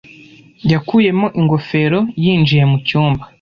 Yakuyemo ingofero yinjiye mucyumba.